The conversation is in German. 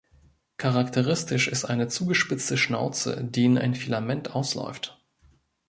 Charakteristisch ist eine zugespitzte Schnauze, die in ein Filament ausläuft.